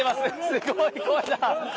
すごい声だ。